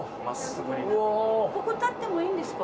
ここ、立ってもいいんですか？